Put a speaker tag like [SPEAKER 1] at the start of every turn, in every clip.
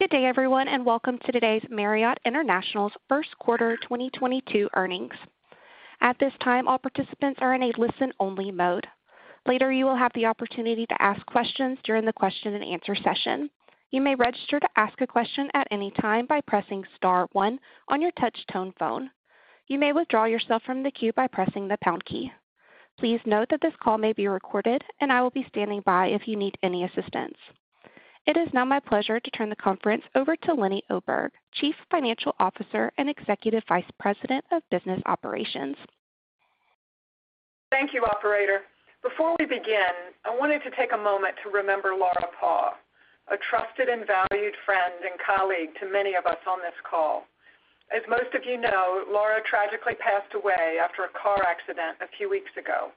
[SPEAKER 1] Good day, everyone, and welcome to today's Marriott International's First Quarter 2022 Earnings. At this time, all participants are in a listen-only mode. Later, you will have the opportunity to ask questions during the question and answer session. You may register to ask a question at any time by pressing star one on your touch tone phone. You may withdraw yourself from the queue by pressing the pound key. Please note that this call may be recorded, and I will be standing by if you need any assistance. It is now my pleasure to turn the conference over to Leeny Oberg, Chief Financial Officer and Executive Vice President of Development.
[SPEAKER 2] Thank you, operator. Before we begin, I wanted to take a moment to remember Laura Paugh, a trusted and valued friend and colleague to many of us on this call. As most of you know, Laura tragically passed away after a car accident a few weeks ago.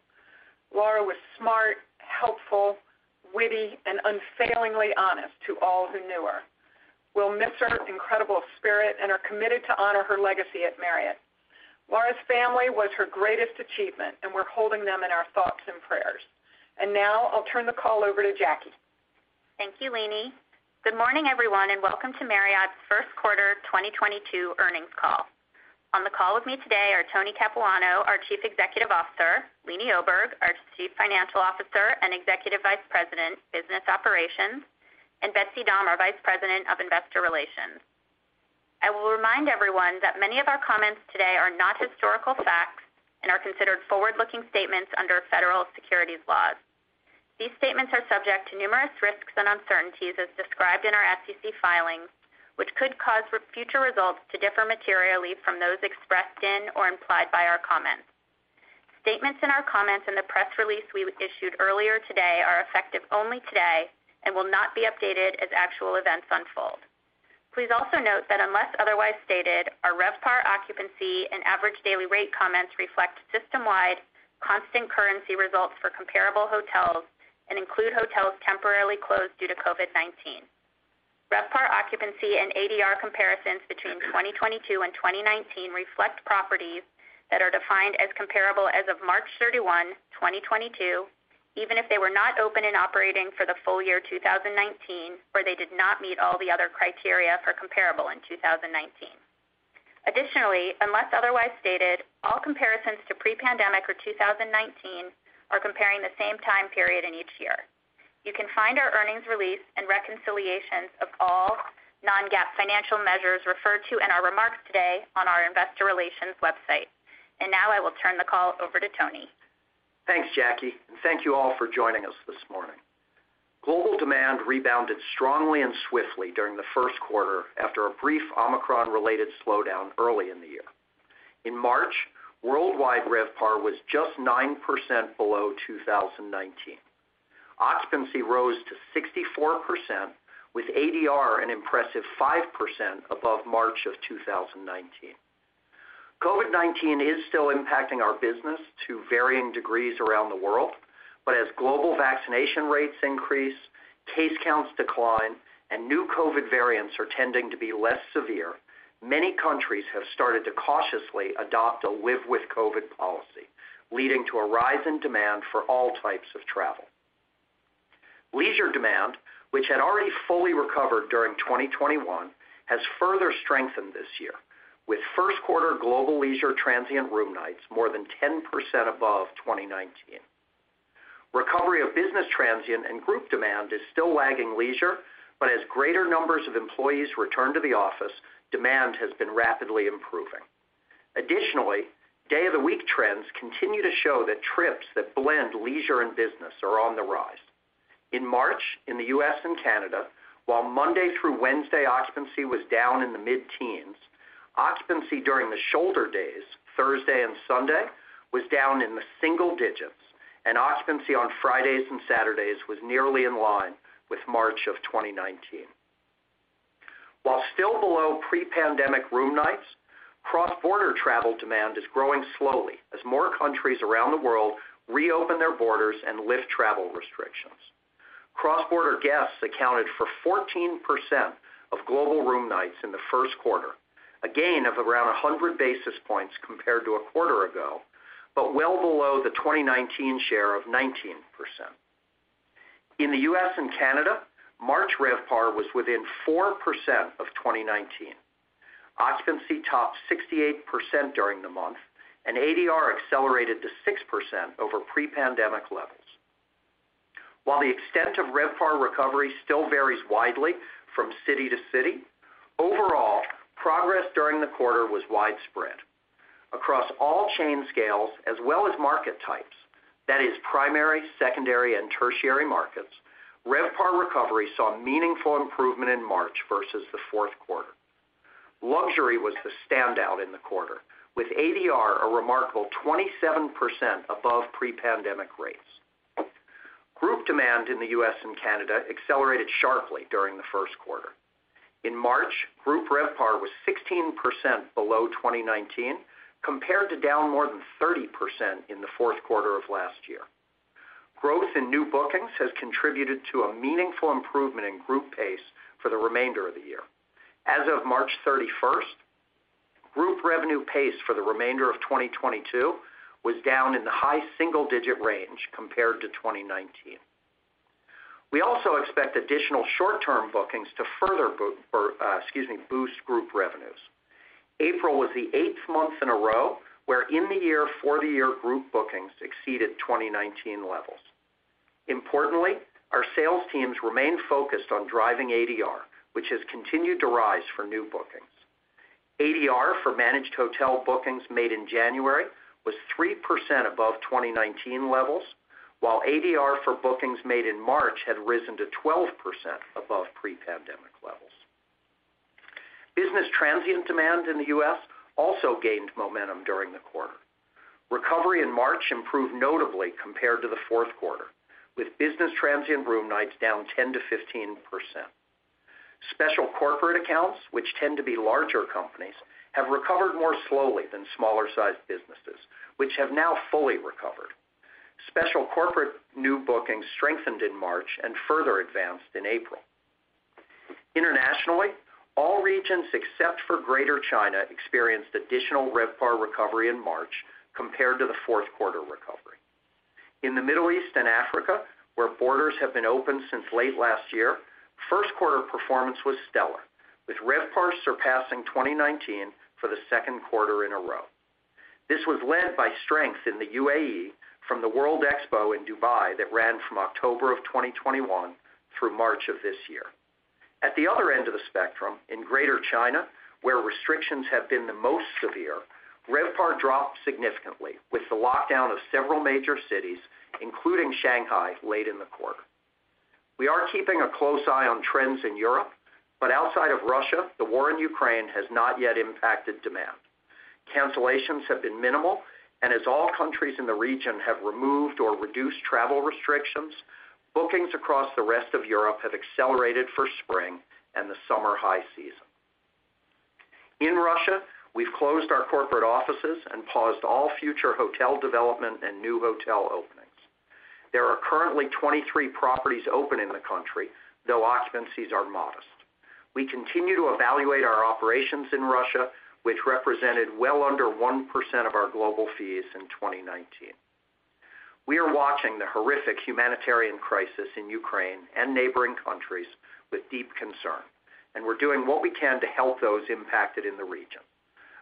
[SPEAKER 2] Laura was smart, helpful, witty, and unfailingly honest to all who knew her. We'll miss her incredible spirit and are committed to honor her legacy at Marriott. Laura's family was her greatest achievement, and we're holding them in our thoughts and prayers. Now I'll turn the call over to Jackie.
[SPEAKER 3] Thank you, Leeny. Good morning, everyone, and welcome to Marriott's First Quarter 2022 Earnings Call. On the call with me today are Tony Capuano, our Chief Executive Officer, Leeny Oberg, our Chief Financial Officer and Executive Vice President, Development, and Betsy Dahm, our Vice President of Investor Relations. I will remind everyone that many of our comments today are not historical facts and are considered forward-looking statements under federal securities laws. These statements are subject to numerous risks and uncertainties as described in our SEC filings, which could cause future results to differ materially from those expressed in or implied by our comments. Statements in our comments in the press release we issued earlier today are effective only today and will not be updated as actual events unfold. Please also note that unless otherwise stated, our RevPAR occupancy and average daily rate comments reflect system-wide constant currency results for comparable hotels and include hotels temporarily closed due to COVID-19. RevPAR occupancy and ADR comparisons between 2022 and 2019 reflect properties that are defined as comparable as of March 31, 2022, even if they were not open and operating for the full year 2019, or they did not meet all the other criteria for comparable in 2019. Additionally, unless otherwise stated, all comparisons to pre-pandemic or 2019 are comparing the same time period in each year. You can find our earnings release and reconciliations of all non-GAAP financial measures referred to in our remarks today on our investor relations website. Now I will turn the call over to Tony.
[SPEAKER 4] Thanks, Jackie, and thank you all for joining us this morning. Global demand rebounded strongly and swiftly during the first quarter after a brief Omicron-related slowdown early in the year. In March, worldwide RevPAR was just 9% below 2019. Occupancy rose to 64% with ADR an impressive 5% above March of 2019. COVID-19 is still impacting our business to varying degrees around the world. Global vaccination rates increase, case counts decline, and new COVID variants are tending to be less severe, many countries have started to cautiously adopt a live with COVID policy, leading to a rise in demand for all types of travel. Leisure demand, which had already fully recovered during 2021, has further strengthened this year, with first quarter global leisure transient room nights more than 10% above 2019. Recovery of business transient and group demand is still lagging leisure, but as greater numbers of employees return to the office, demand has been rapidly improving. Additionally, day of the week trends continue to show that trips that blend leisure and business are on the rise. In March, in the U.S. and Canada, while Monday through Wednesday occupancy was down in the mid-teens, occupancy during the shoulder days, Thursday and Sunday, was down in the single digits, and occupancy on Fridays and Saturdays was nearly in line with March of 2019. While still below pre-pandemic room nights, cross-border travel demand is growing slowly as more countries around the world reopen their borders and lift travel restrictions. Cross-border guests accounted for 14% of global room nights in the first quarter, a gain of around 100 basis points compared to a quarter ago, but well below the 2019 share of 19%. In the U.S. and Canada, March RevPAR was within 4% of 2019. Occupancy topped 68% during the month, and ADR accelerated to 6% over pre-pandemic levels. While the extent of RevPAR recovery still varies widely from city to city, overall, progress during the quarter was widespread. Across all chain scales as well as market types, that is primary, secondary, and tertiary markets, RevPAR recovery saw meaningful improvement in March versus the fourth quarter. Luxury was the standout in the quarter, with ADR a remarkable 27% above pre-pandemic rates. Group demand in the U.S. and Canada accelerated sharply during the first quarter. In March, group RevPAR was 16% below 2019, compared to down more than 30% in the fourth quarter of last year. Growth in new bookings has contributed to a meaningful improvement in group pace for the remainder of the year. As of March 31st, group revenue pace for the remainder of 2022 was down in the high single-digit range compared to 2019. We also expect additional short-term bookings to further boost group revenues. April was the eighth month in a row where for the year group bookings exceeded 2019 levels. Importantly, our sales teams remain focused on driving ADR, which has continued to rise for new bookings. ADR for managed hotel bookings made in January was 3% above 2019 levels, while ADR for bookings made in March had risen to 12% above pre-pandemic levels. Business transient demand in the U.S. also gained momentum during the quarter. Recovery in March improved notably compared to the fourth quarter, with business transient room nights down 10%-15%. Special corporate accounts, which tend to be larger companies, have recovered more slowly than smaller sized businesses, which have now fully recovered. Special corporate new bookings strengthened in March and further advanced in April. Internationally, all regions except for Greater China experienced additional RevPAR recovery in March compared to the fourth quarter recovery. In the Middle East and Africa, where borders have been open since late last year, first quarter performance was stellar, with RevPAR surpassing 2019 for the second quarter in a row. This was led by strength in the UAE from the World Expo in Dubai that ran from October 2021 through March of this year. At the other end of the spectrum, in Greater China, where restrictions have been the most severe, RevPAR dropped significantly with the lockdown of several major cities, including Shanghai, late in the quarter. We are keeping a close eye on trends in Europe, but outside of Russia, the war in Ukraine has not yet impacted demand. Cancellations have been minimal, and as all countries in the region have removed or reduced travel restrictions, bookings across the rest of Europe have accelerated for spring and the summer high season. In Russia, we've closed our corporate offices and paused all future hotel development and new hotel openings. There are currently 23 properties open in the country, though occupancies are modest. We continue to evaluate our operations in Russia, which represented well under 1% of our global fees in 2019. We are watching the horrific humanitarian crisis in Ukraine and neighboring countries with deep concern, and we're doing what we can to help those impacted in the region.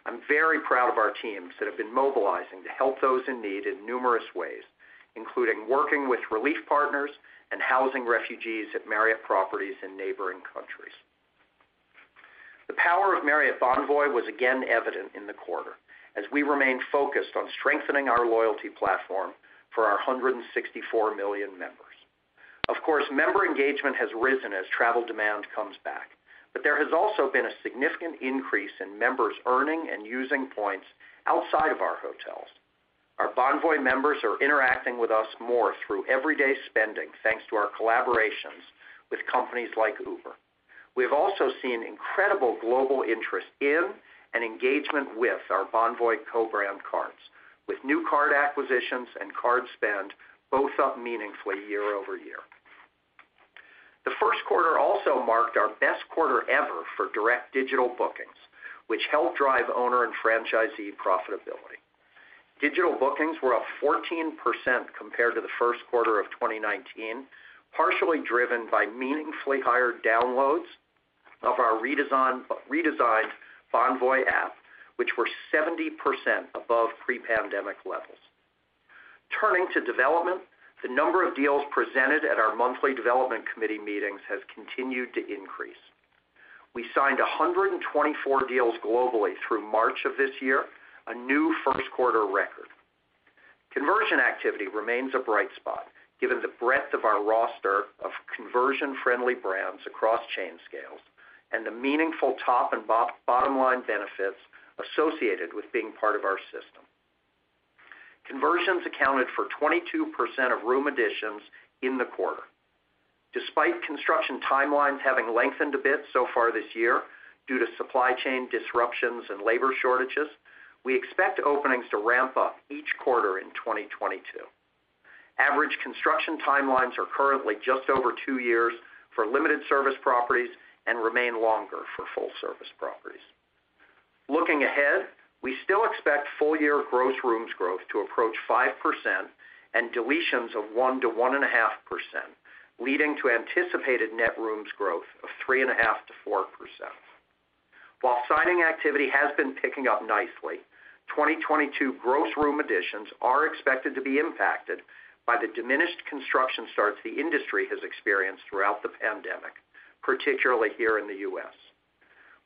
[SPEAKER 4] I'm very proud of our teams that have been mobilizing to help those in need in numerous ways, including working with relief partners and housing refugees at Marriott properties in neighboring countries. The power of Marriott Bonvoy was again evident in the quarter as we remain focused on strengthening our loyalty platform for our 164 million members. Of course, member engagement has risen as travel demand comes back, but there has also been a significant increase in members earning and using points outside of our hotels. Our Bonvoy members are interacting with us more through everyday spending thanks to our collaborations with companies like Uber. We have also seen incredible global interest in and engagement with our Bonvoy co-brand cards, with new card acquisitions and card spend both up meaningfully year over year. The first quarter also marked our best quarter ever for direct digital bookings, which helped drive owner and franchisee profitability. Digital bookings were up 14% compared to the first quarter of 2019, partially driven by meaningfully higher downloads of our redesigned Bonvoy app, which were 70% above pre-pandemic levels. Turning to development, the number of deals presented at our monthly development committee meetings has continued to increase. We signed 124 deals globally through March of this year, a new first quarter record. Conversion activity remains a bright spot given the breadth of our roster of conversion-friendly brands across chain scales and the meaningful top and bottom line benefits associated with being part of our system. Conversions accounted for 22% of room additions in the quarter. Despite construction timelines having lengthened a bit so far this year due to supply chain disruptions and labor shortages, we expect openings to ramp up each quarter in 2022. Average construction timelines are currently just over two years for limited service properties and remain longer for full service properties. Looking ahead, we still expect full year gross rooms growth to approach 5% and deletions of 1%-1.5%, leading to anticipated net rooms growth of 3.5%-4%. While signing activity has been picking up nicely, 2022 gross room additions are expected to be impacted by the diminished construction starts the industry has experienced throughout the pandemic, particularly here in the U.S.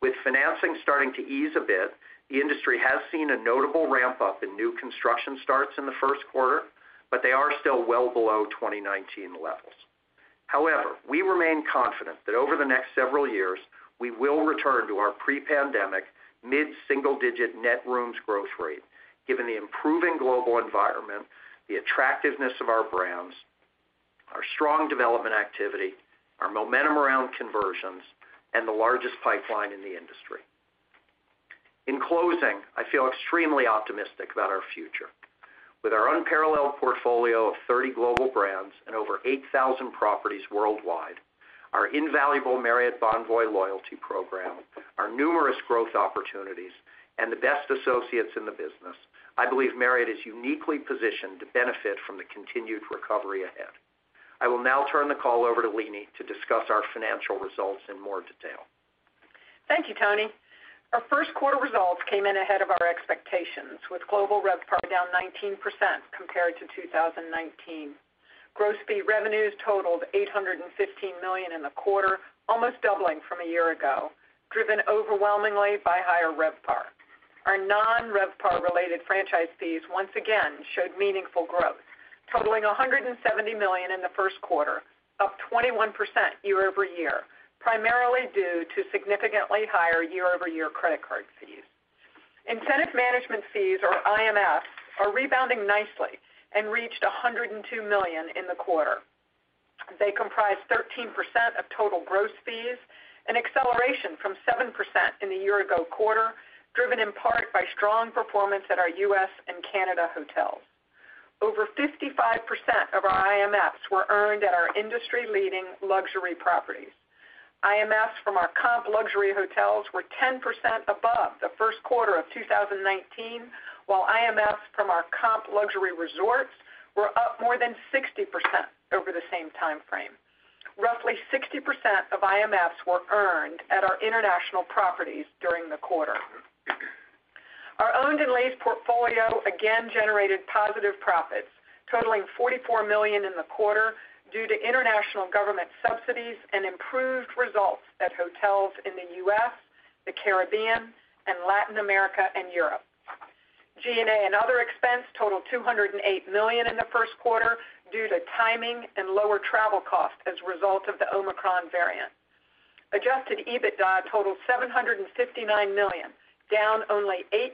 [SPEAKER 4] With financing starting to ease a bit, the industry has seen a notable ramp up in new construction starts in the first quarter, but they are still well below 2019 levels. However, we remain confident that over the next several years, we will return to our pre-pandemic mid-single-digit net rooms growth rate given the improving global environment, the attractiveness of our brands, our strong development activity, our momentum around conversions, and the largest pipeline in the industry. In closing, I feel extremely optimistic about our future. With our unparalleled portfolio of 30 global brands and over 8,000 properties worldwide, our invaluable Marriott Bonvoy loyalty program, our numerous growth opportunities, and the best associates in the business, I believe Marriott is uniquely positioned to benefit from the continued recovery ahead. I will now turn the call over to Leeny to discuss our financial results in more detail.
[SPEAKER 2] Thank you, Tony. Our first quarter results came in ahead of our expectations, with global RevPAR down 19% compared to 2019. Gross fee revenues totaled $815 million in the quarter, almost doubling from a year ago, driven overwhelmingly by higher RevPAR. Our non-RevPAR related franchise fees once again showed meaningful growth, totaling $170 million in the first quarter, up 21% year-over-year, primarily due to significantly higher year-over-year credit card fees. Incentive management fees, or IMFs, are rebounding nicely and reached $102 million in the quarter. They comprise 13% of total gross fees, an acceleration from 7% in the year ago quarter, driven in part by strong performance at our U.S. and Canada hotels. Over 55% of our IMFs were earned at our industry-leading luxury properties. IMFs from our comp luxury hotels were 10% above the first quarter of 2019, while IMFs from our comp luxury resorts were up more than 60% over the same time frame. Roughly 60% of IMFs were earned at our international properties during the quarter. Our owned and leased portfolio again generated positive profits totaling $44 million in the quarter due to international government subsidies and improved results at hotels in the U.S., the Caribbean, and Latin America and Europe. G&A and other expense totaled $208 million in the first quarter due to timing and lower travel costs as a result of the Omicron variant. Adjusted EBITDA totaled $759 million, down only 8%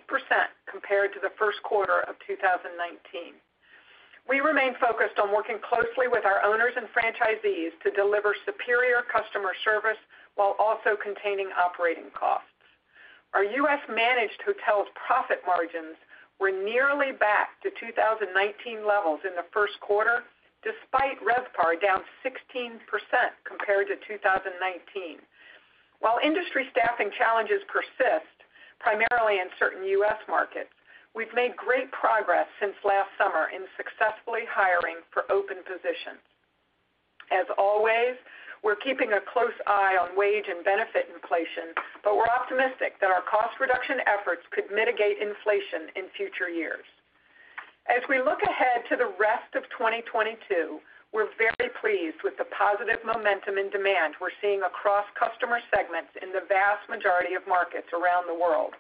[SPEAKER 2] compared to the first quarter of 2019. We remain focused on working closely with our owners and franchisees to deliver superior customer service while also containing operating costs. Our U.S. managed hotels profit margins were nearly back to 2019 levels in the first quarter, despite RevPAR down 16% compared to 2019. While industry staffing challenges persist, primarily in certain U.S. markets, we've made great progress since last summer in successfully hiring for open positions. As always, we're keeping a close eye on wage and benefit inflation, but we're optimistic that our cost reduction efforts could mitigate inflation in future years. As we look ahead to the rest of 2022, we're very pleased with the positive momentum and demand we're seeing across customer segments in the vast majority of markets around the world.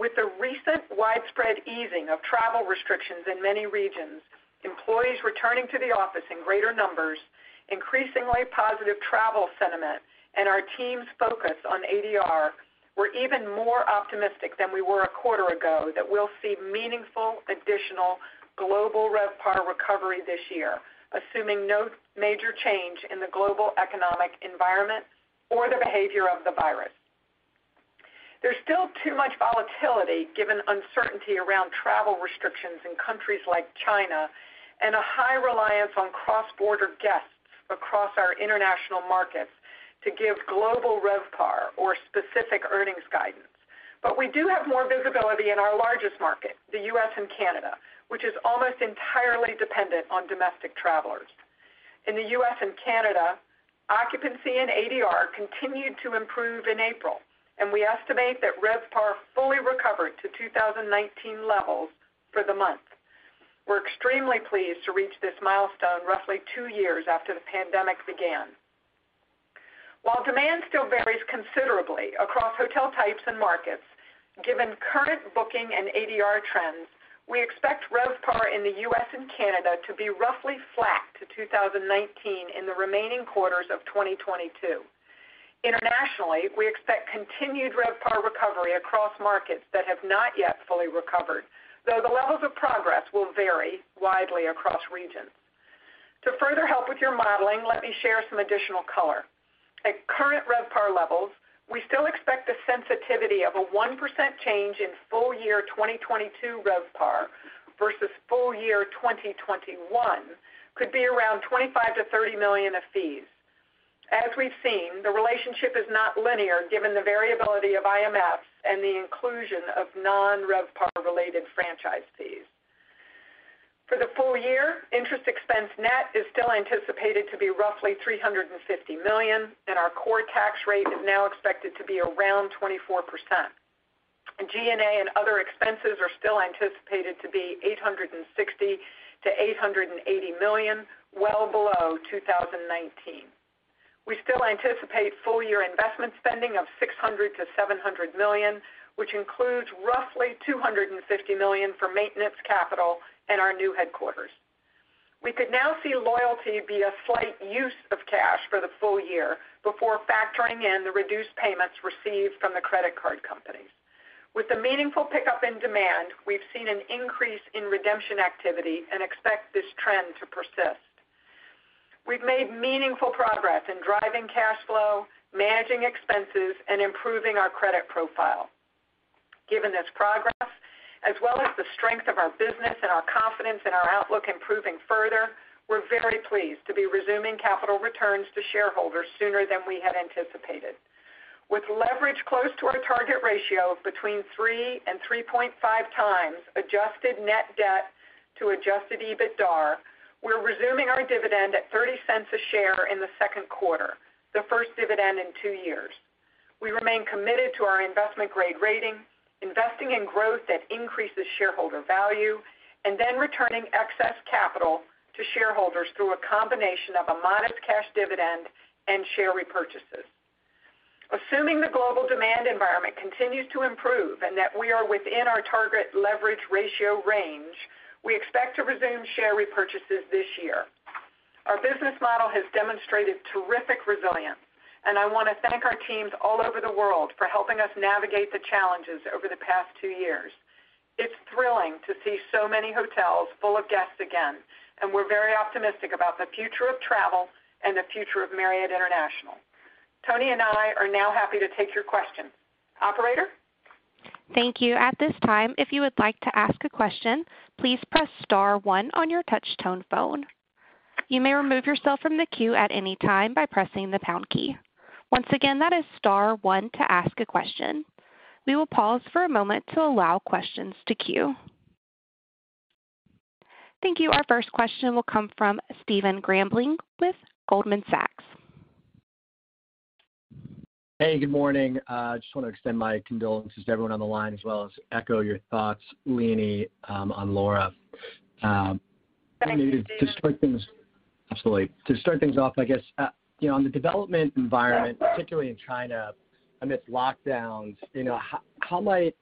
[SPEAKER 2] With the recent widespread easing of travel restrictions in many regions, employees returning to the office in greater numbers, increasingly positive travel sentiment, and our team's focus on ADR, we're even more optimistic than we were a quarter ago that we'll see meaningful additional global RevPAR recovery this year, assuming no major change in the global economic environment or the behavior of the virus. There's still too much volatility given uncertainty around travel restrictions in countries like China and a high reliance on cross-border guests across our international markets to give global RevPAR or specific earnings guidance. We do have more visibility in our largest market, the U.S. and Canada, which is almost entirely dependent on domestic travelers. In the U.S. and Canada, occupancy and ADR continued to improve in April, and we estimate that RevPAR fully recovered to 2019 levels for the month. We're extremely pleased to reach this milestone roughly two years after the pandemic began. While demand still varies considerably across hotel types and markets, given current booking and ADR trends, we expect RevPAR in the U.S. and Canada to be roughly flat to 2019 in the remaining quarters of 2022. Internationally, we expect continued RevPAR recovery across markets that have not yet fully recovered, though the levels of progress will vary widely across regions. To further help with your modeling, let me share some additional color. At current RevPAR levels, we still expect the sensitivity of a 1% change in full year 2022 RevPAR versus full year 2021 could be around $25 million-$30 million of fees. As we've seen, the relationship is not linear given the variability of IMFs and the inclusion of non-RevPAR related franchise fees. For the full year, interest expense net is still anticipated to be roughly $350 million, and our core tax rate is now expected to be around 24%. G&A and other expenses are still anticipated to be $860 million-$880 million, well below 2019. We still anticipate full-year investment spending of $600 million-$700 million, which includes roughly $250 million for maintenance, capital, and our new headquarters. We could now see loyalty be a slight use of cash for the full year before factoring in the reduced payments received from the credit card companies. With the meaningful pickup in demand, we've seen an increase in redemption activity and expect this trend to persist. We've made meaningful progress in driving cash flow, managing expenses, and improving our credit profile. Given this progress, as well as the strength of our business and our confidence in our outlook improving further, we're very pleased to be resuming capital returns to shareholders sooner than we had anticipated. With leverage close to our target ratio of between 3x and 3.5x adjusted net debt to Adjusted EBITDAR, we're resuming our dividend at $0.30 a share in the second quarter, the first dividend in two years. We remain committed to our investment grade rating, investing in growth that increases shareholder value, and then returning excess capital to shareholders through a combination of a modest cash dividend and share repurchases. Assuming the global demand environment continues to improve and that we are within our target leverage ratio range, we expect to resume share repurchases this year. Our business model has demonstrated terrific resilience, and I wanna thank our teams all over the world for helping us navigate the challenges over the past two years. It's thrilling to see so many hotels full of guests again, and we're very optimistic about the future of travel and the future of Marriott International. Tony and I are now happy to take your questions. Operator?
[SPEAKER 1] Thank you. At this time, if you would like to ask a question, please press star one on your touch tone phone. You may remove yourself from the queue at any time by pressing the pound key. Once again, that is star one to ask a question. We will pause for a moment to allow questions to queue. Thank you. Our first question will come from Stephen Grambling with Goldman Sachs.
[SPEAKER 5] Hey, good morning. Just wanna extend my condolences to everyone on the line as well as echo your thoughts, Leeny, on Laura.
[SPEAKER 2] Thank you, Stephen.
[SPEAKER 5] To start things off, I guess, you know, on the development environment, particularly in China amidst lockdowns, you know, how might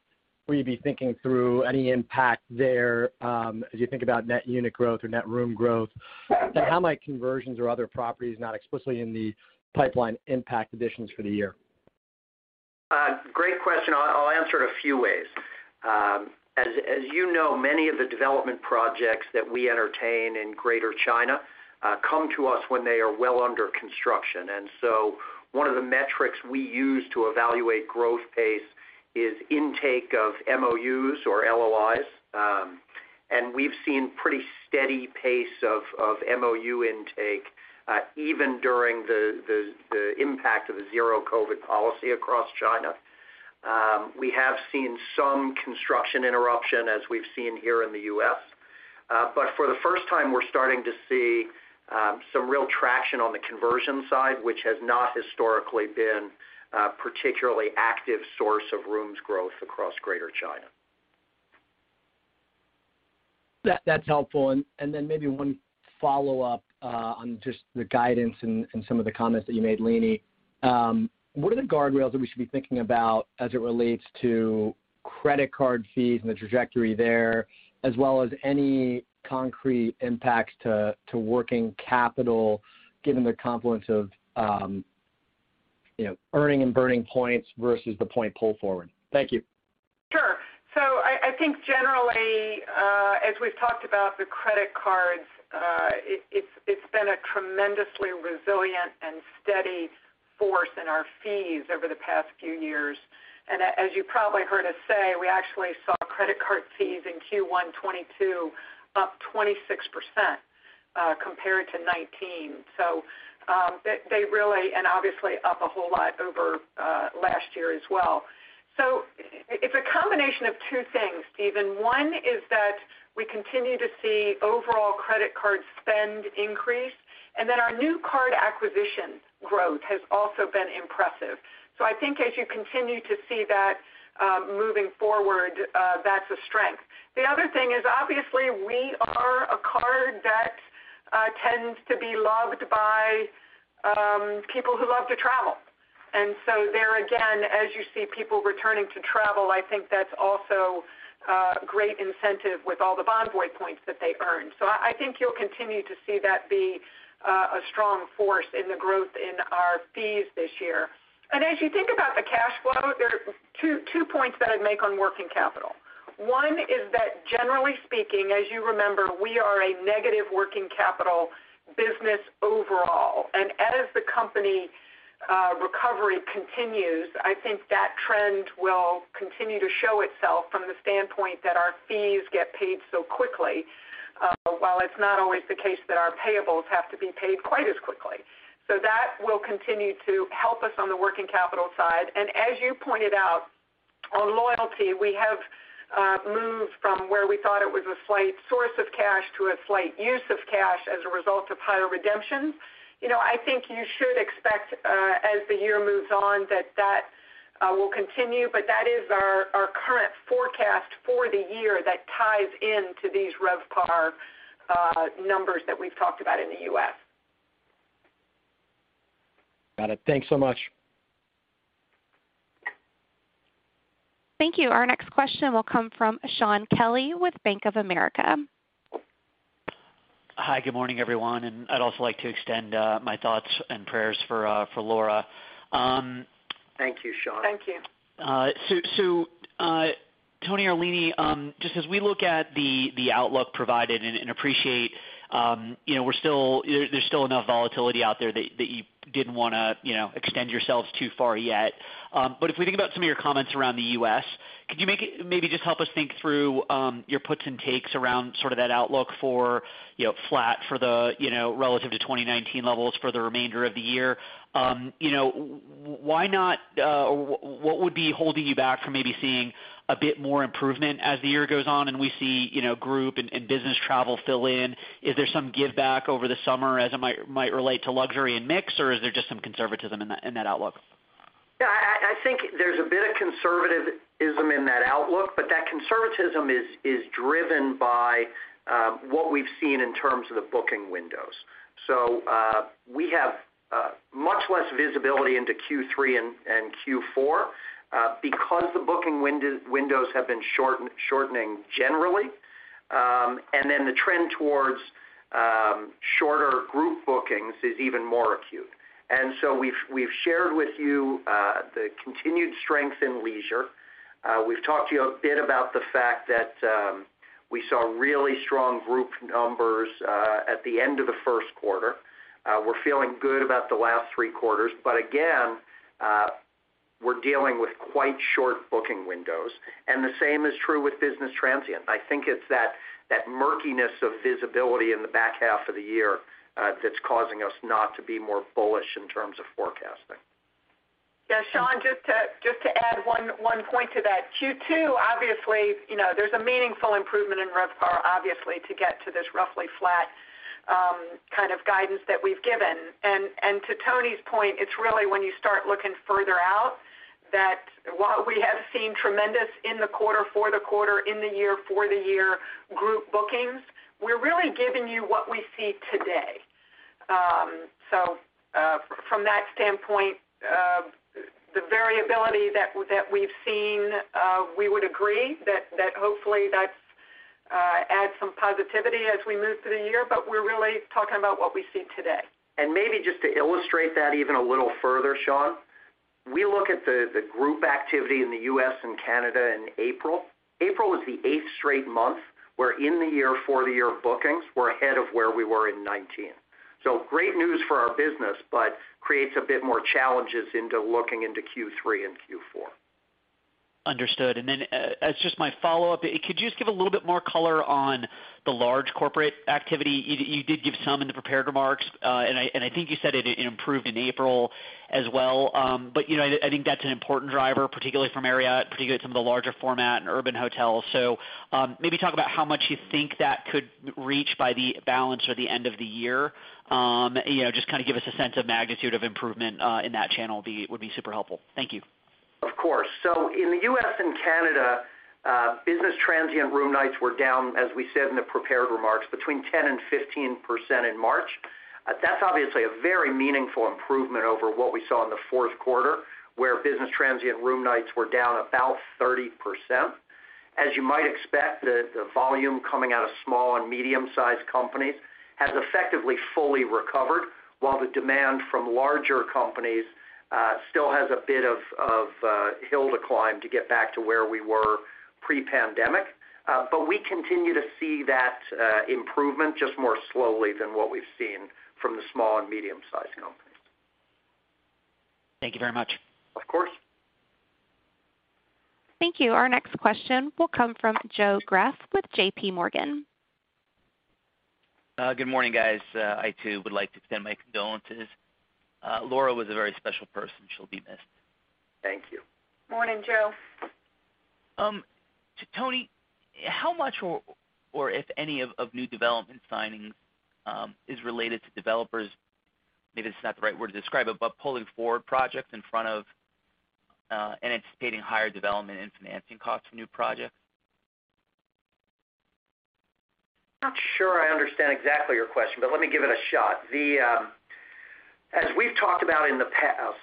[SPEAKER 5] we be thinking through any impact there, as you think about net unit growth or net room growth? And how might conversions or other properties not explicitly in the pipeline impact additions for the year?
[SPEAKER 4] Great question. I'll answer it a few ways. As you know, many of the development projects that we entertain in Greater China come to us when they are well under construction. One of the metrics we use to evaluate growth pace is intake of MOUs or LOIs. We've seen pretty steady pace of MOU intake, even during the impact of the Zero-COVID policy across China. We have seen some construction interruption as we've seen here in the U.S. For the first time, we're starting to see some real traction on the conversion side, which has not historically been a particularly active source of rooms growth across Greater China.
[SPEAKER 5] That's helpful. Maybe one follow-up on just the guidance and some of the comments that you made, Leeny. What are the guardrails that we should be thinking about as it relates to credit card fees and the trajectory there, as well as any concrete impacts to working capital given the confluence of you know, earning and burning points versus the point pull forward? Thank you.
[SPEAKER 2] Sure. I think generally, as we've talked about the credit cards, it's been a tremendously resilient and steady force in our fees over the past few years. As you probably heard us say, we actually saw credit card fees in Q1 2022 up 26%, compared to 2019. They really and obviously up a whole lot over last year as well. It's a combination of two things, Stephen. One is that we continue to see overall credit card spend increase, and then our new card acquisition growth has also been impressive. I think as you continue to see that, moving forward, that's a strength. The other thing is, obviously, we are a card that tends to be loved by people who love to travel. There again, as you see people returning to travel, I think that's also a great incentive with all the Bonvoy points that they earn. I think you'll continue to see that be a strong force in the growth in our fees this year. As you think about the cash flow, there are two points that I'd make on working capital. One is that generally speaking, as you remember, we are a negative working capital business overall. As the company recovery continues, I think that trend will continue to show itself from the standpoint that our fees get paid so quickly, while it's not always the case that our payables have to be paid quite as quickly. That will continue to help us on the working capital side. As you pointed out, on loyalty, we have moved from where we thought it was a slight source of cash to a slight use of cash as a result of higher redemption. You know, I think you should expect, as the year moves on, that will continue, but that is our current forecast for the year that ties into these RevPAR numbers that we've talked about in the U.S.
[SPEAKER 5] Got it. Thanks so much.
[SPEAKER 1] Thank you. Our next question will come from Shaun Kelley with Bank of America.
[SPEAKER 6] Hi, good morning, everyone. I'd also like to extend my thoughts and prayers for Laura.
[SPEAKER 4] Thank you, Shaun.
[SPEAKER 2] Thank you.
[SPEAKER 6] Tony or Leeny, just as we look at the outlook provided and appreciate, you know, we're still. There's still enough volatility out there that you didn't wanna, you know, extend yourselves too far yet. If we think about some of your comments around the U.S., could you make it. Maybe just help us think through your puts and takes around sort of that outlook for, you know, flat for the, you know, relative to 2019 levels for the remainder of the year. You know, why not, what would be holding you back from maybe seeing a bit more improvement as the year goes on and we see, you know, group and business travel fill in? Is there some give back over the summer as it might relate to luxury and mix, or is there just some conservatism in that outlook?
[SPEAKER 4] Yeah, I think there's a bit of conservatism in that outlook, but that conservatism is driven by what we've seen in terms of the booking windows. We have much less visibility into Q3 and Q4 because the booking windows have been shortening generally. The trend towards shorter group bookings is even more acute. We've shared with you the continued strength in leisure. We've talked to you a bit about the fact that we saw really strong group numbers at the end of the first quarter. We're feeling good about the last three quarters, but again, we're dealing with quite short booking windows, and the same is true with business transient. I think it's that murkiness of visibility in the back half of the year, that's causing us not to be more bullish in terms of forecasting.
[SPEAKER 2] Yeah, Shaun, just to add one point to that. Q2, obviously, you know, there's a meaningful improvement in RevPAR, obviously, to get to this roughly flat, kind of guidance that we've given. To Tony's point, it's really when you start looking further out that while we have seen tremendous in the quarter, for the quarter, in the year, for the year group bookings, we're really giving you what we see today. From that standpoint, the variability that we've seen, we would agree that hopefully that's adds some positivity as we move through the year, but we're really talking about what we see today.
[SPEAKER 4] Maybe just to illustrate that even a little further, Shaun, we look at the group activity in the U.S. and Canada in April. April was the eighth straight month, where in the year, for the year bookings were ahead of where we were in 2019. Great news for our business, but creates a bit more challenges into looking into Q3 and Q4.
[SPEAKER 6] Understood. As just my follow-up, could you just give a little bit more color on the large corporate activity? You did give some in the prepared remarks, and I think you said it improved in April as well. You know, I think that's an important driver, particularly from Marriott, particularly some of the larger format and urban hotels. Maybe talk about how much you think that could reach by the back half or the end of the year. You know, just kind of give us a sense of magnitude of improvement in that channel would be super helpful. Thank you.
[SPEAKER 4] Of course. In the U.S. and Canada, business transient room nights were down, as we said in the prepared remarks, between 10% and 15% in March. That's obviously a very meaningful improvement over what we saw in the fourth quarter, where business transient room nights were down about 30%. As you might expect, the volume coming out of small and medium-sized companies has effectively fully recovered, while the demand from larger companies still has a bit of a hill to climb to get back to where we were pre-pandemic. We continue to see that improvement just more slowly than what we've seen from the small and medium-sized companies.
[SPEAKER 6] Thank you very much.
[SPEAKER 4] Of course.
[SPEAKER 1] Thank you. Our next question will come from Joe Greff with JPMorgan.
[SPEAKER 7] Good morning, guys. I too would like to extend my condolences. Laura was a very special person. She'll be missed.
[SPEAKER 4] Thank you.
[SPEAKER 2] Morning, Joe.
[SPEAKER 7] Tony, how much or if any of new development signings is related to developers, maybe this is not the right word to describe it, but pulling forward projects in front of and anticipating higher development and financing costs for new projects?
[SPEAKER 4] Not sure I understand exactly your question, but let me give it a shot. As we've talked about in the past,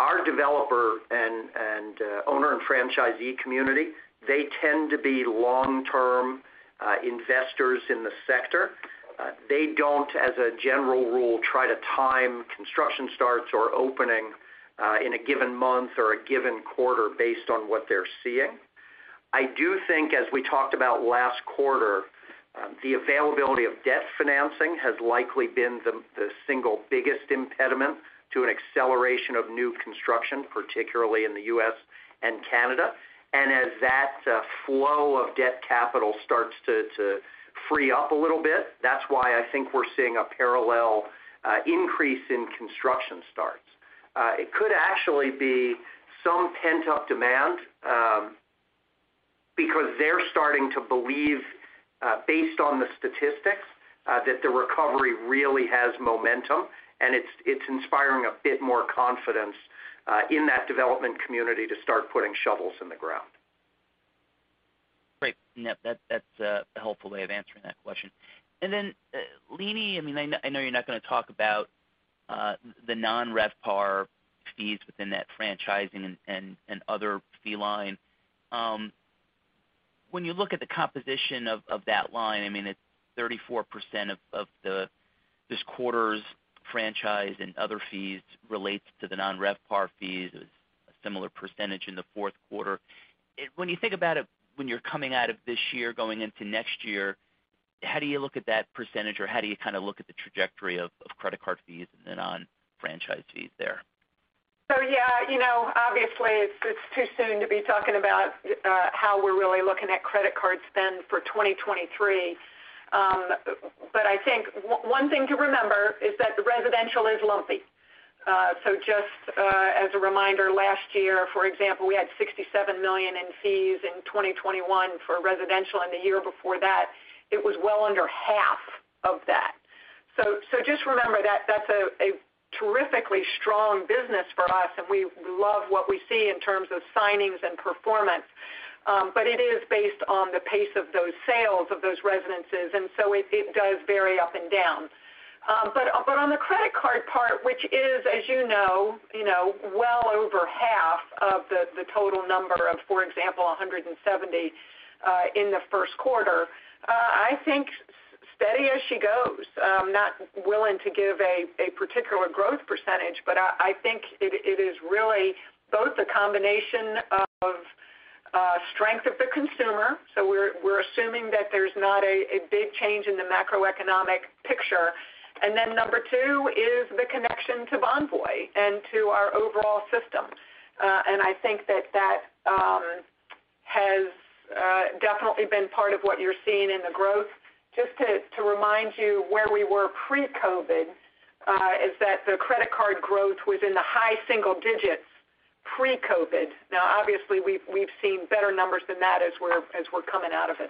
[SPEAKER 4] our developer and owner and franchisee community, they tend to be long-term investors in the sector. They don't, as a general rule, try to time construction starts or opening in a given month or a given quarter based on what they're seeing. I do think, as we talked about last quarter, the availability of debt financing has likely been the single biggest impediment to an acceleration of new construction, particularly in the U.S. and Canada. As that flow of debt capital starts to free up a little bit, that's why I think we're seeing a parallel increase in construction starts. It could actually be some pent-up demand, because they're starting to believe, based on the statistics, that the recovery really has momentum, and it's inspiring a bit more confidence in that development community to start putting shovels in the ground.
[SPEAKER 7] Great. No, that's a helpful way of answering that question. Then, Leeny, I mean, I know you're not gonna talk about the non-RevPAR fees within that franchising and other fee line. When you look at the composition of that line, I mean, it's 34% of the this quarter's franchise and other fees relates to the non-RevPAR fees. A similar percentage in the fourth quarter. When you think about it, when you're coming out of this year going into next year, how do you look at that percentage? Or how do you kind of look at the trajectory of credit card fees and the non-franchise fees there?
[SPEAKER 2] Yeah, you know, obviously, it's too soon to be talking about how we're really looking at credit card spend for 2023. I think one thing to remember is that the residential is lumpy. Just as a reminder, last year, for example, we had $67 million in fees in 2021 for residential, and the year before that, it was well under half of that. Just remember that that's a terrifically strong business for us, and we love what we see in terms of signings and performance. It is based on the pace of those sales of those residences, and so it does vary up and down. On the credit card part, which is, as you know, you know, well over half of the total number of, for example, 170 in the first quarter, I think steady as she goes. I'm not willing to give a particular growth percentage, but I think it is really both a combination of strength of the consumer. We're assuming that there's not a big change in the macroeconomic picture. Then number two is the connection to Bonvoy and to our overall system. I think that has definitely been part of what you're seeing in the growth. Just to remind you where we were pre-COVID is that the credit card growth was in the high single digits pre-COVID. Now obviously we've seen better numbers than that as we're coming out of it.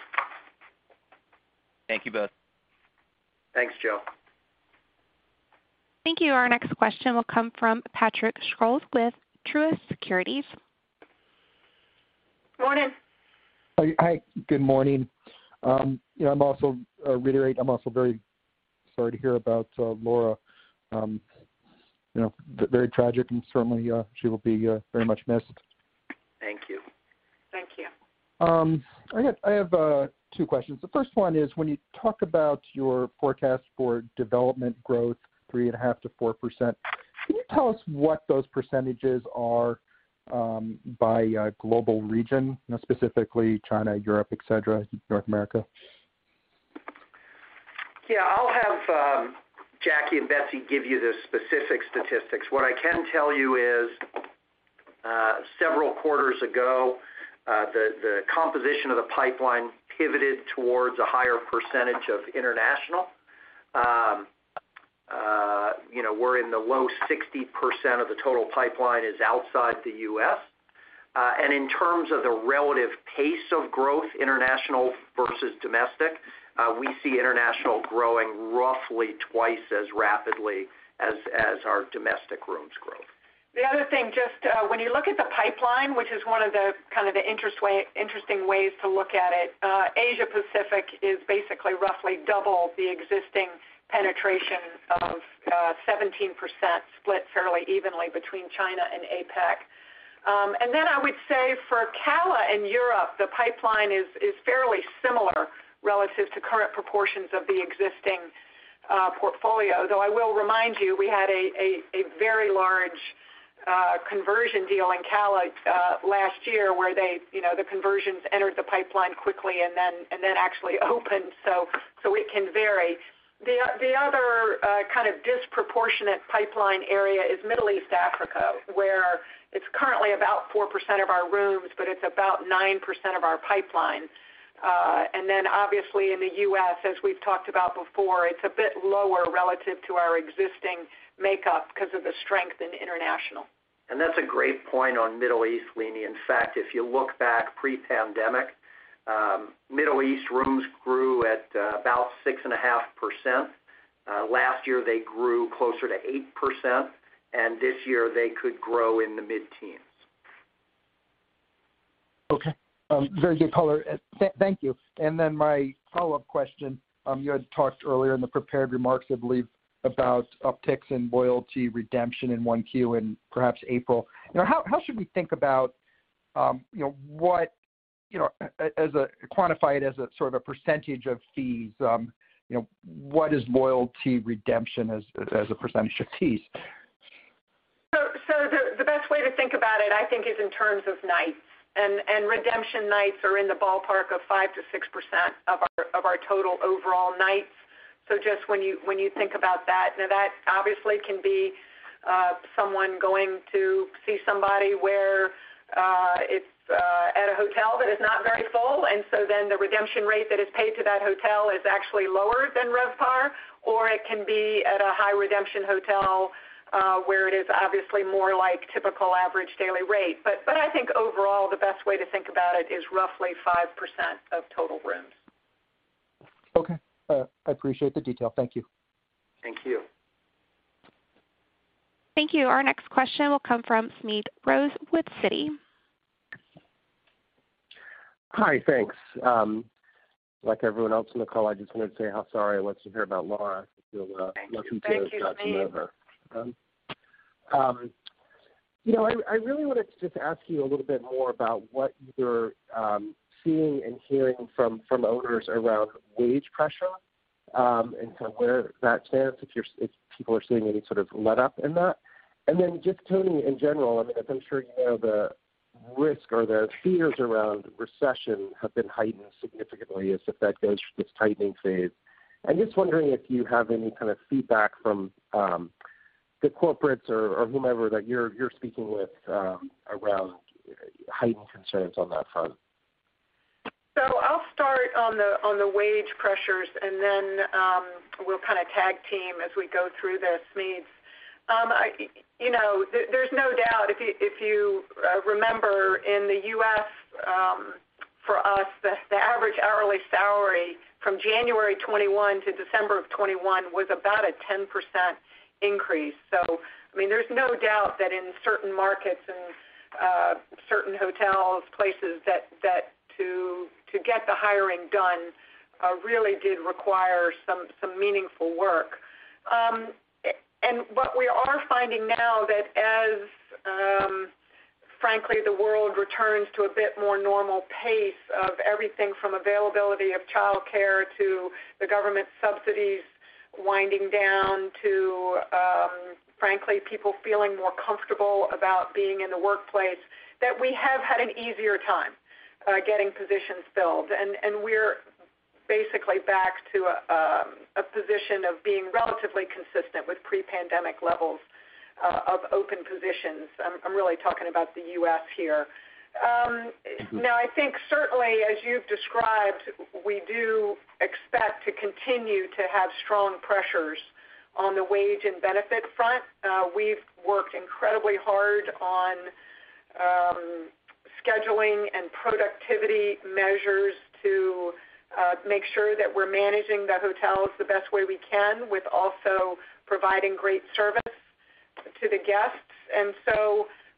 [SPEAKER 7] Thank you both.
[SPEAKER 4] Thanks, Joe.
[SPEAKER 1] Thank you. Our next question will come from Patrick Scholes with Truist Securities.
[SPEAKER 2] Morning.
[SPEAKER 8] Hi. Good morning. You know, I'm also very sorry to hear about Laura. You know, very tragic and certainly she will be very much missed.
[SPEAKER 4] Thank you.
[SPEAKER 2] Thank you.
[SPEAKER 8] I have two questions. The first one is when you talk about your forecast for development growth 3.5%-4%, can you tell us what those percentages are, by global region? You know, specifically China, Europe, et cetera, North America.
[SPEAKER 4] Yeah. I'll have Jackie and Betsy give you the specific statistics. What I can tell you is, several quarters ago, the composition of the pipeline pivoted towards a higher percentage of international. You know, we're in the low 60% of the total pipeline is outside the U.S. In terms of the relative pace of growth, international versus domestic, we see international growing roughly twice as rapidly as our domestic rooms growth.
[SPEAKER 2] The other thing, just, when you look at the pipeline, which is one of the kind of interesting ways to look at it, Asia Pacific is basically roughly double the existing penetration of 17% split fairly evenly between China and APAC. Then I would say for CALA and Europe, the pipeline is fairly similar relative to current proportions of the existing portfolio. Though I will remind you, we had a very large conversion deal in CALA last year where they, you know, the conversions entered the pipeline quickly and then actually opened, so it can vary. The other kind of disproportionate pipeline area is Middle East Africa, where it's currently about 4% of our rooms, but it's about 9% of our pipeline. Obviously in the U.S., as we've talked about before, it's a bit lower relative to our existing makeup because of the strength in international.
[SPEAKER 4] That's a great point on Middle East, Leeny. In fact, if you look back pre-pandemic, Middle East rooms grew at about 6.5%. Last year they grew closer to 8%, and this year they could grow in the mid-teens.
[SPEAKER 8] Okay. Very good color. Thank you. My follow-up question, you had talked earlier in the prepared remarks, I believe, about upticks in loyalty redemption in 1Q in perhaps April. You know, how should we think about, you know, quantify it as a sort of a percentage of fees? You know, what is loyalty redemption as a percentage of fees?
[SPEAKER 2] The best way to think about it, I think, is in terms of nights. Redemption nights are in the ballpark of 5%-6% of our total overall nights. Just when you think about that. Now that obviously can be someone going to see somebody where it's at a hotel that is not very full, and so then the redemption rate that is paid to that hotel is actually lower than RevPAR, or it can be at a high redemption hotel, where it is obviously more like typical average daily rate. I think overall, the best way to think about it is roughly 5% of total rooms.
[SPEAKER 8] Okay. I appreciate the detail. Thank you.
[SPEAKER 4] Thank you.
[SPEAKER 1] Thank you. Our next question will come from Smedes Rose with Citi.
[SPEAKER 9] Hi, thanks. Like everyone else in the call, I just wanted to say how sorry I was to hear about Laura.
[SPEAKER 4] Thank you.
[SPEAKER 2] Thank you, Smedes.
[SPEAKER 9] Feel lucky to have gotten to know her. You know, I really wanted to just ask you a little bit more about what you're seeing and hearing from owners around wage pressure, and kind of where that stands if people are seeing any sort of letup in that. Just, Tony, in general, I mean, as I'm sure you know, the risk or the fears around recession have been heightened significantly as the Fed goes through this tightening phase. I'm just wondering if you have any kind of feedback from the corporates or whomever that you're speaking with around heightened concerns on that front.
[SPEAKER 2] I'll start on the wage pressures, and then we'll kind of tag team as we go through this, Smedes. You know, there's no doubt if you remember in the U.S., for us, the average hourly salary from January 2021 to December 2021 was about a 10% increase. I mean, there's no doubt that in certain markets and certain hotels, places that to get the hiring done really did require some meaningful work. What we are finding now that as frankly, the world returns to a bit more normal pace of everything from availability of childcare to the government subsidies winding down to frankly, people feeling more comfortable about being in the workplace, that we have had an easier time getting positions filled. We're basically back to a position of being relatively consistent with pre-pandemic levels of open positions. I'm really talking about the U.S. here.
[SPEAKER 9] Mm-hmm.
[SPEAKER 2] Now, I think certainly as you've described, we do expect to continue to have strong pressures on the wage and benefit front. We've worked incredibly hard on scheduling and productivity measures to make sure that we're managing the hotels the best way we can with also providing great service to the guests.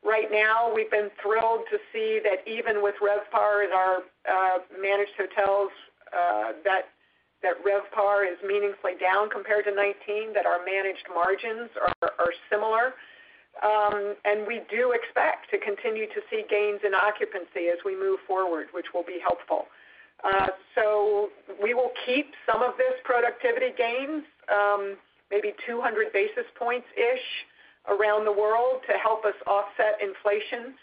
[SPEAKER 2] Right now we've been thrilled to see that even with RevPAR in our managed hotels, that RevPAR is meaningfully down compared to 2019, that our managed margins are similar. We do expect to continue to see gains in occupancy as we move forward, which will be helpful. We will keep some of this productivity gains, maybe 200 basis points-ish around the world to help us offset inflation.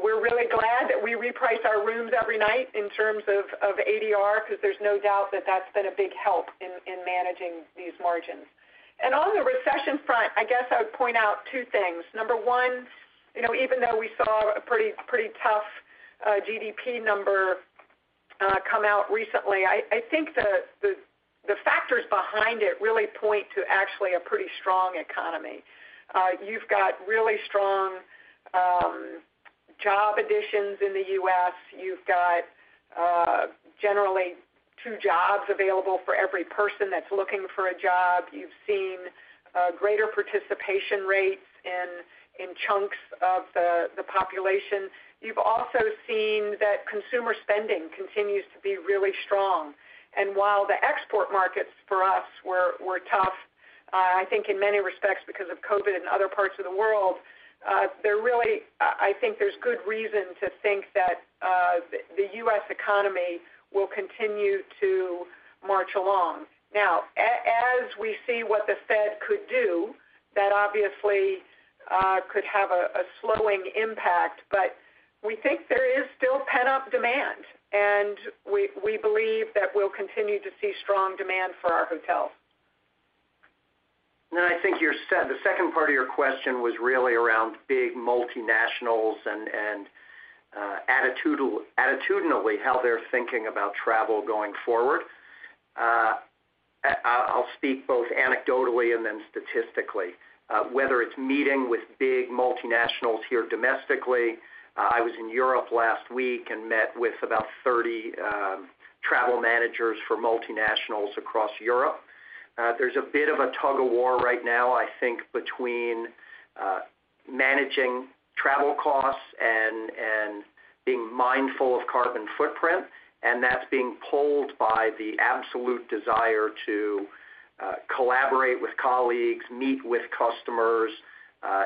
[SPEAKER 2] We're really glad that we reprice our rooms every night in terms of ADR because there's no doubt that that's been a big help in managing these margins. On the recession front, I guess I would point out two things. Number one, you know, even though we saw a pretty tough GDP number come out recently, I think the factors behind it really point to actually a pretty strong economy. You've got really strong job additions in the U.S. You've got generally two jobs available for every person that's looking for a job. You've seen greater participation rates in chunks of the population. You've also seen that consumer spending continues to be really strong. While the export markets for us were tough, I think in many respects because of COVID in other parts of the world, I think there's good reason to think that the U.S. economy will continue to march along. Now, as we see what the Fed could do, that obviously could have a slowing impact, but we think there is still pent-up demand, and we believe that we'll continue to see strong demand for our hotels.
[SPEAKER 4] I think the second part of your question was really around big multinationals and attitudinally how they're thinking about travel going forward. I'll speak both anecdotally and then statistically. Whether it's meeting with big multinationals here domestically, I was in Europe last week and met with about 30 travel managers for multinationals across Europe. There's a bit of a tug-of-war right now, I think, between managing travel costs and being mindful of carbon footprint, and that's being pulled by the absolute desire to collaborate with colleagues, meet with customers,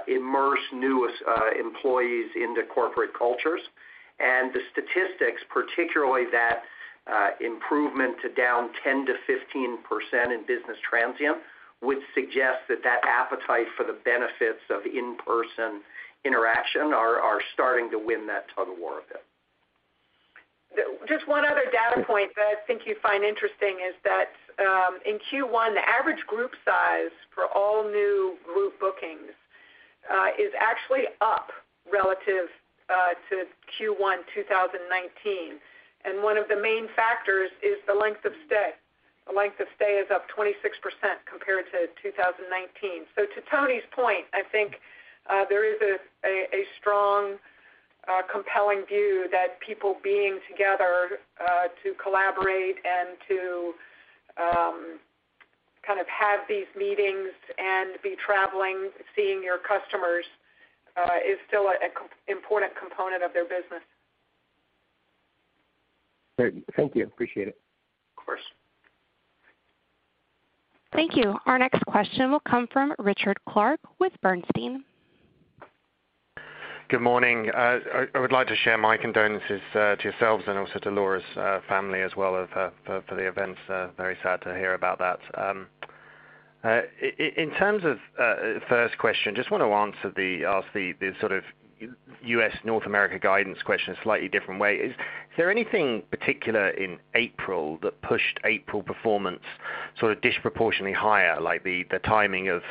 [SPEAKER 4] immerse new employees into corporate cultures. The statistics, particularly that improvement to down 10%-15% in business transient, would suggest that appetite for the benefits of in-person interaction are starting to win that tug-of-war a bit.
[SPEAKER 2] Just one other data point that I think you'd find interesting is that in Q1 the average group size for all new group bookings is actually up relative to Q1 2019. One of the main factors is the length of stay. The length of stay is up 26% compared to 2019. To Tony's point, I think there is a strong compelling view that people being together to collaborate and to kind of have these meetings and be traveling, seeing your customers, is still an important component of their business.
[SPEAKER 9] Very good. Thank you. Appreciate it.
[SPEAKER 4] Of course.
[SPEAKER 1] Thank you. Our next question will come from Richard Clarke with Bernstein.
[SPEAKER 10] Good morning. I would like to share my condolences to yourselves and also to Laura's family as well as for the events. Very sad to hear about that. In terms of first question, just wanna ask the sort of U.S. North America guidance question a slightly different way. Is there anything particular in April that pushed April performance sort of disproportionately higher, like the timing of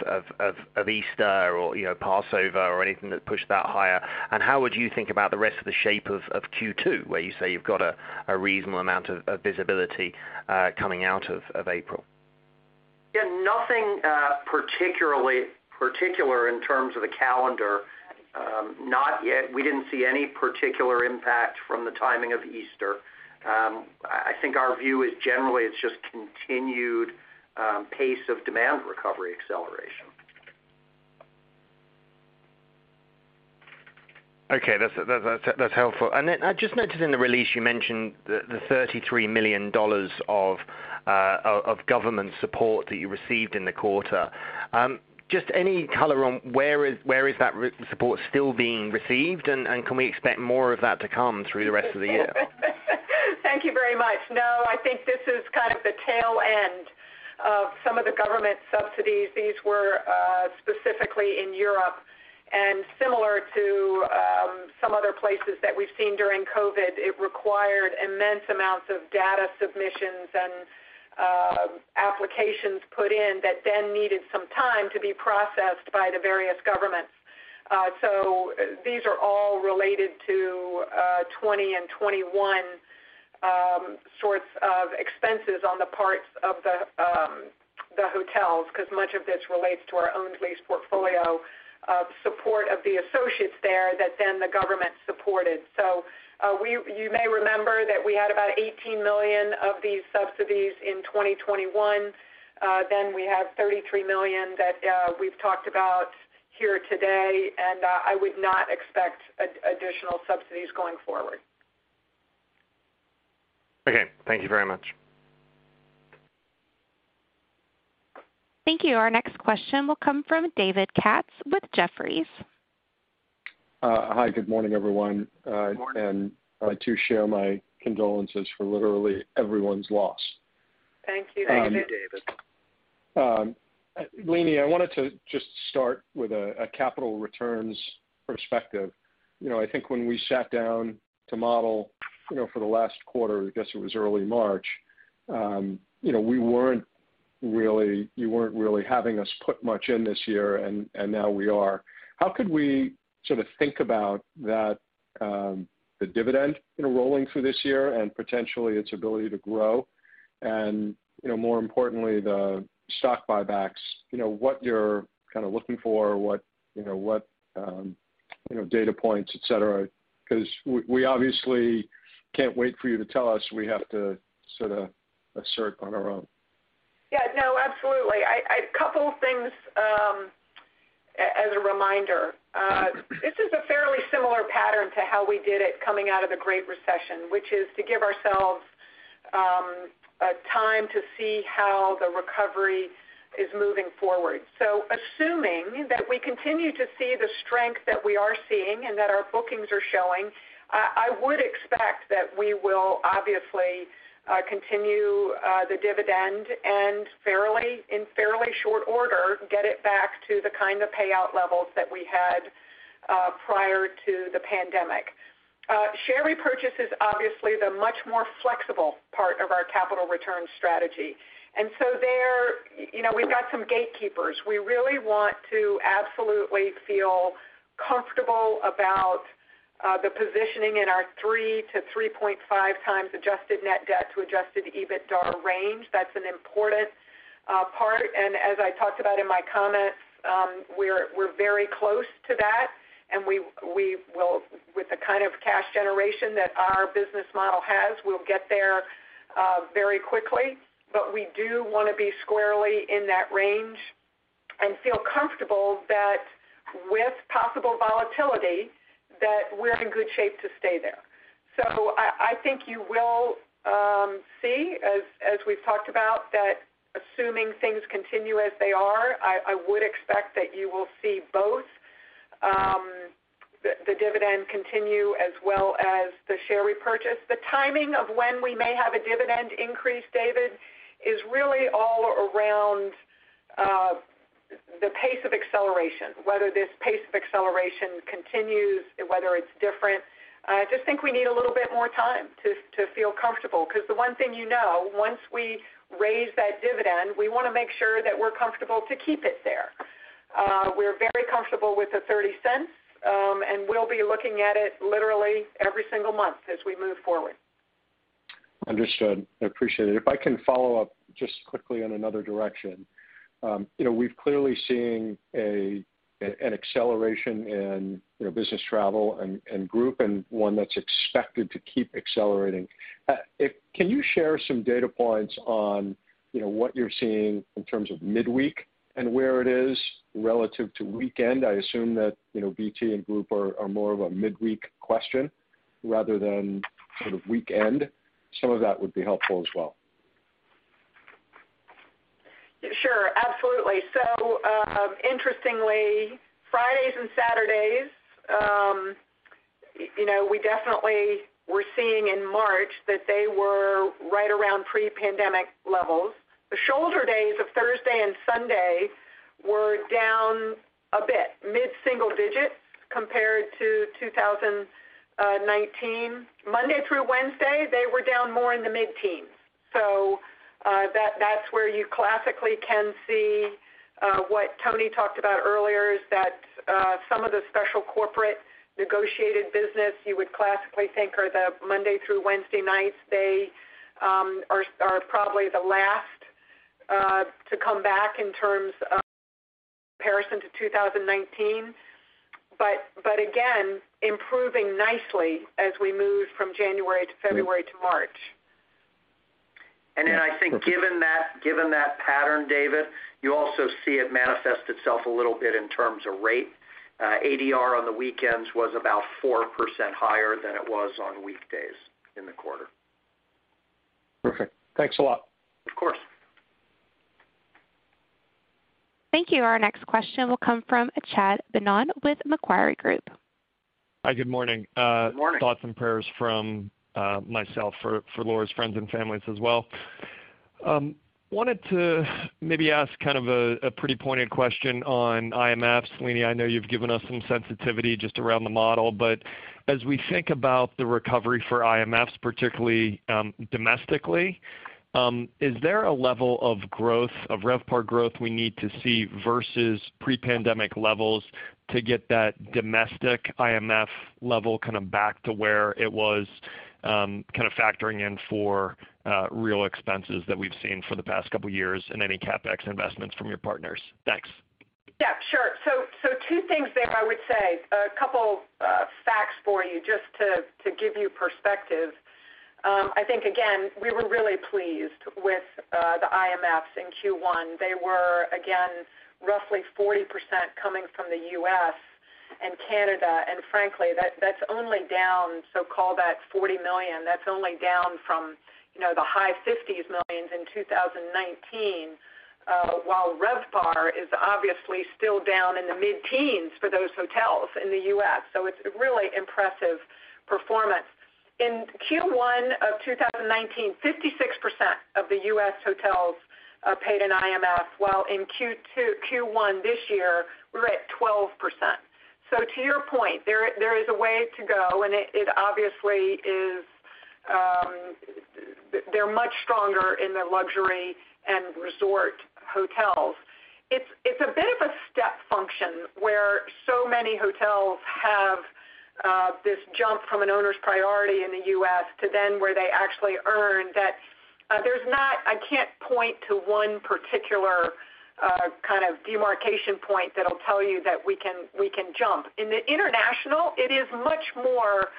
[SPEAKER 10] Easter or, you know, Passover or anything that pushed that higher? How would you think about the rest of the shape of Q2, where you say you've got a reasonable amount of visibility coming out of April?
[SPEAKER 4] Yeah, nothing particularly particular in terms of the calendar. Not yet. We didn't see any particular impact from the timing of Easter. I think our view is generally it's just continued pace of demand recovery acceleration.
[SPEAKER 10] Okay. That's helpful. I just noticed in the release you mentioned the $33 million of government support that you received in the quarter. Just any color on where that support still being received? And can we expect more of that to come through the rest of the year?
[SPEAKER 2] Thank you very much. No, I think this is kind of the tail end of some of the government subsidies. These were specifically in Europe, and similar to some other places that we've seen during COVID, it required immense amounts of data submissions and applications put in that then needed some time to be processed by the various governments. These are all related to 2020 and 2021 sorts of expenses on the parts of the hotels, because much of this relates to our owned lease portfolio of support of the associates there that then the government supported. You may remember that we had about $18 million of these subsidies in 2021. We have $33 million that we've talked about here today, and I would not expect additional subsidies going forward.
[SPEAKER 10] Okay. Thank you very much.
[SPEAKER 1] Thank you. Our next question will come from David Katz with Jefferies.
[SPEAKER 11] Hi. Good morning, everyone.
[SPEAKER 4] Good morning.
[SPEAKER 11] I too share my condolences for literally everyone's loss.
[SPEAKER 2] Thank you, David.
[SPEAKER 11] Leeny, I wanted to just start with a capital returns perspective. You know, I think when we sat down to model, you know, for the last quarter, I guess it was early March, you know, you weren't really having us put much in this year, and now we are. How could we sort of think about that, the dividend enrolling for this year and potentially its ability to grow, and, you know, more importantly, the stock buybacks, you know, what you're kind of looking for, what data points, et cetera? Because we obviously can't wait for you to tell us. We have to sort of assert on our own.
[SPEAKER 2] Yeah, no, absolutely. A couple things, as a reminder. This is a fairly similar pattern to how we did it coming out of the Great Recession, which is to give ourselves a time to see how the recovery is moving forward. Assuming that we continue to see the strength that we are seeing and that our bookings are showing, I would expect that we will obviously continue the dividend and in fairly short order get it back to the kind of payout levels that we had prior to the pandemic. Share repurchase is obviously the much more flexible part of our capital return strategy. There, you know, we've got some gatekeepers. We really want to absolutely feel comfortable about the positioning in our 3x-3.5x adjusted net debt to Adjusted EBITDA range. That's an important part. As I talked about in my comments, we're very close to that, and we will, with the kind of cash generation that our business model has, we'll get there very quickly. We do wanna be squarely in that range and feel comfortable that with possible volatility, that we're in good shape to stay there. I think you will see, as we've talked about, that assuming things continue as they are, I would expect that you will see both the dividend continue as well as the share repurchase. The timing of when we may have a dividend increase, David, is really all around the pace of acceleration, whether this pace of acceleration continues, whether it's different. I just think we need a little bit more time to feel comfortable because the one thing you know, once we raise that dividend, we wanna make sure that we're comfortable to keep it there. We're very comfortable with the $0.30, and we'll be looking at it literally every single month as we move forward.
[SPEAKER 11] Understood. I appreciate it. If I can follow up just quickly in another direction. You know, we've clearly seen an acceleration in, you know, business travel and group, and one that's expected to keep accelerating. Can you share some data points on, you know, what you're seeing in terms of midweek and where it is relative to weekend? I assume that, you know, BT and group are more of a midweek question rather than sort of weekend. Some of that would be helpful as well.
[SPEAKER 2] Sure, absolutely. Interestingly, Fridays and Saturdays, you know, we definitely were seeing in March that they were right around pre-pandemic levels. The shoulder days of Thursday and Sunday were down a bit, mid-single digit compared to 2019. Monday through Wednesday, they were down more in the mid-teens. That's where you classically can see what Tony talked about earlier is that some of the special corporate negotiated business you would classically think are the Monday through Wednesday nights. They are probably the last to come back in terms of comparison to 2019. Again, improving nicely as we move from January to February to March.
[SPEAKER 4] I think given that pattern, David, you also see it manifest itself a little bit in terms of rate. ADR on the weekends was about 4% higher than it was on weekdays in the quarter.
[SPEAKER 11] Perfect. Thanks a lot.
[SPEAKER 4] Of course.
[SPEAKER 1] Thank you. Our next question will come from Chad Beynon with Macquarie Group.
[SPEAKER 12] Hi, good morning.
[SPEAKER 4] Good morning.
[SPEAKER 12] Thoughts and prayers from myself for Laura's friends and families as well. Wanted to maybe ask kind of a pretty pointed question on IMFs. Leeny, I know you've given us some sensitivity just around the model, but as we think about the recovery for IMFs, particularly domestically, is there a level of growth, of RevPAR growth we need to see versus pre-pandemic levels to get that domestic IMF level kind of back to where it was, kind of factoring in for real expenses that we've seen for the past couple years in any CapEx investments from your partners? Thanks.
[SPEAKER 2] Yeah, sure. Two things there, I would say. A couple facts for you just to give you perspective. I think, again, we were really pleased with the IMFs in Q1. They were, again, roughly 40% coming from the U.S. and Canada. Frankly, that's only down, so call that $40 million. That's only down from, you know, the high 50s millions in 2019, while RevPAR is obviously still down in the mid-teens for those hotels in the U.S. It's a really impressive performance. In Q1 of 2019, 56% of the U.S. hotels paid an IMF, while in Q1 this year, we're at 12%. To your point, there is a way to go, and it obviously is, they're much stronger in the luxury and resort hotels. It's a bit of a step function where so many hotels have this jump from an owner's priority in the U.S. to then where they actually earn that. I can't point to one particular kind of demarcation point that'll tell you that we can jump. In the international, it is much more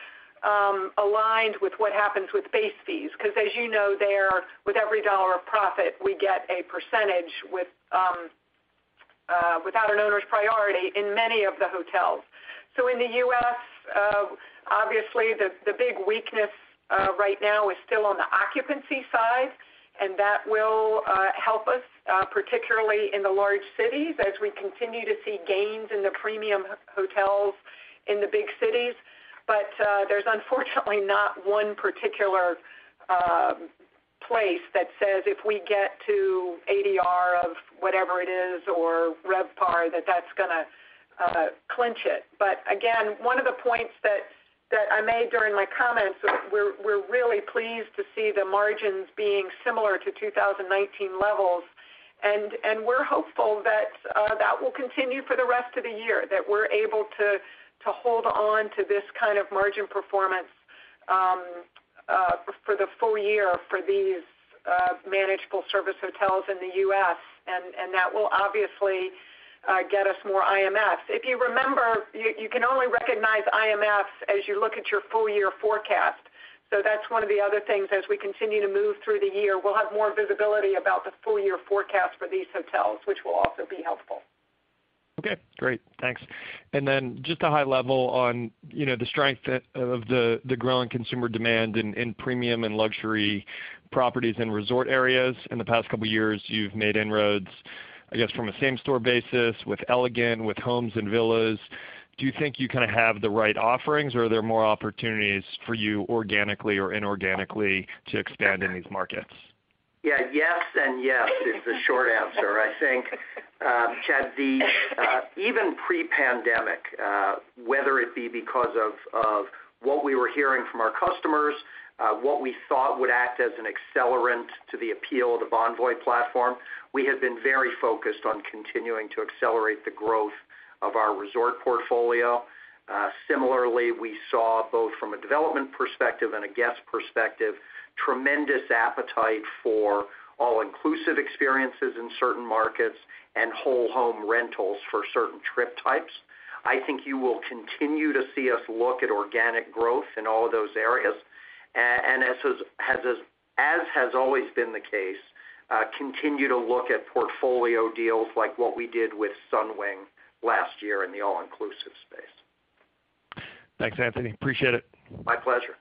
[SPEAKER 2] aligned with what happens with base fees, because as you know, there, with every dollar of profit, we get a percentage without an owner's priority in many of the hotels. In the U.S., obviously, the big weakness right now is still on the occupancy side, and that will help us particularly in the large cities as we continue to see gains in the premium hotels in the big cities. There's unfortunately not one particular place that says if we get to ADR of whatever it is or RevPAR, that that's gonna clinch it. One of the points that I made during my comments, we're really pleased to see the margins being similar to 2019 levels. We're hopeful that that will continue for the rest of the year, that we're able to hold on to this kind of margin performance for the full year for these managed full-service hotels in the U.S., and that will obviously get us more IMFs. If you remember, you can only recognize IMFs as you look at your full year forecast. That's one of the other things as we continue to move through the year. We'll have more visibility about the full year forecast for these hotels, which will also be helpful.
[SPEAKER 12] Okay, great. Thanks. Then just a high level on, you know, the strength of the growing consumer demand in premium and luxury properties in resort areas. In the past couple of years, you've made inroads, I guess, from a same store basis with Elegant, with Homes & Villas. Do you think you kind of have the right offerings or are there more opportunities for you organically or inorganically to expand in these markets?
[SPEAKER 4] Yeah. Yes and yes is the short answer. I think, Chad, the even pre-pandemic, whether it be because of what we were hearing from our customers, what we thought would act as an accelerant to the appeal of the Bonvoy platform, we have been very focused on continuing to accelerate the growth of our resort portfolio. Similarly, we saw both from a development perspective and a guest perspective, tremendous appetite for all-inclusive experiences in certain markets and whole home rentals for certain trip types. I think you will continue to see us look at organic growth in all of those areas. As has always been the case, continue to look at portfolio deals like what we did with Sunwing last year in the all-inclusive space.
[SPEAKER 12] Thanks, Anthony. Appreciate it.
[SPEAKER 4] My pleasure.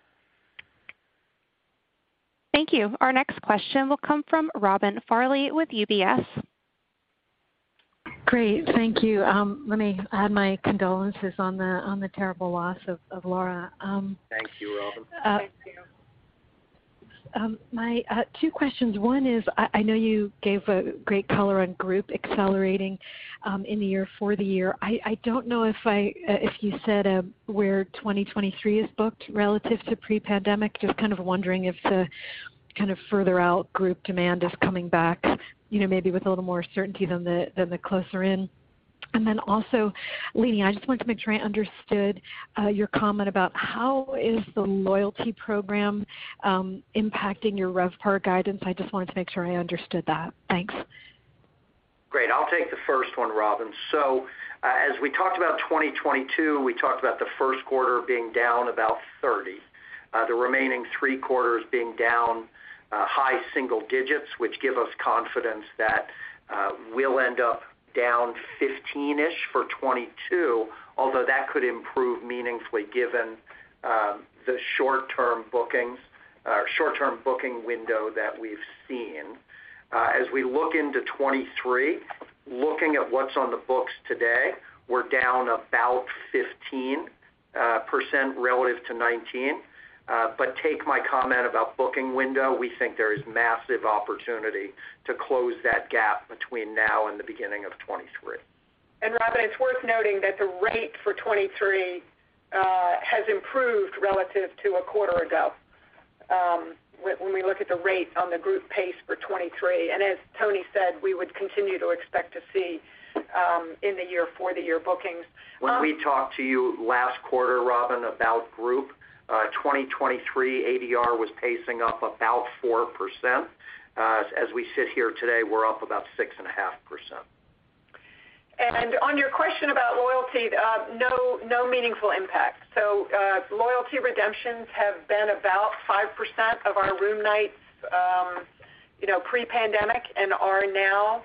[SPEAKER 1] Thank you. Our next question will come from Robin Farley with UBS.
[SPEAKER 13] Great. Thank you. Let me add my condolences on the terrible loss of Laura.
[SPEAKER 4] Thank you, Robin.
[SPEAKER 2] Thank you.
[SPEAKER 13] My two questions. One is I know you gave a great color on group accelerating in the year for the year. I don't know if you said where 2023 is booked relative to pre-pandemic. Just kind of wondering if the kind of further out group demand is coming back, you know, maybe with a little more certainty than the closer in. Then also, Leeny, I just wanted to make sure I understood your comment about how is the loyalty program impacting your RevPAR guidance. I just wanted to make sure I understood that. Thanks.
[SPEAKER 4] Great. I'll take the first one, Robin. As we talked about 2022, we talked about the first quarter being down about 30%. The remaining three quarters being down high single digits, which give us confidence that we'll end up down 15-ish% for 2022, although that could improve meaningfully given the short-term bookings, short-term booking window that we've seen. As we look into 2023, looking at what's on the books today, we're down about 15% relative to 2019. Take my comment about booking window, we think there is massive opportunity to close that gap between now and the beginning of 2023.
[SPEAKER 2] Robin, it's worth noting that the rate for 2023 has improved relative to a quarter ago, when we look at the rate on the group pace for 2023. As Tony said, we would continue to expect to see in the year for the year bookings.
[SPEAKER 4] When we talked to you last quarter, Robin, about group, 2023 ADR was pacing up about 4%. As we sit here today, we're up about 6.5%.
[SPEAKER 2] On your question about loyalty, no meaningful impact. Loyalty redemptions have been about 5% of our room nights, you know, pre-pandemic and are now.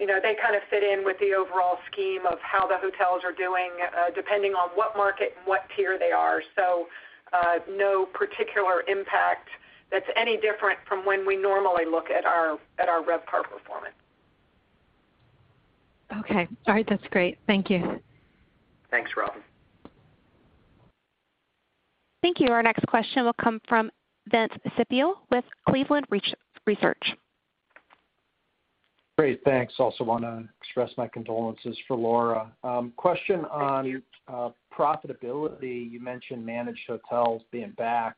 [SPEAKER 2] You know, they kind of fit in with the overall scheme of how the hotels are doing, depending on what market and what tier they are. No particular impact that's any different from when we normally look at our RevPAR performance.
[SPEAKER 13] Okay. All right, that's great. Thank you.
[SPEAKER 4] Thanks, Robin.
[SPEAKER 1] Thank you. Our next question will come from Vince Ciepiel with Cleveland Research Company.
[SPEAKER 14] Great. Thanks. Also wanna express my condolences for Laura. Question on-
[SPEAKER 2] Thank you.
[SPEAKER 14] Profitability. You mentioned managed hotels being back.